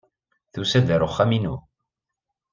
Tusa-d ɣer uxxam-inu.